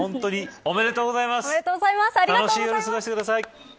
ありがとうございます。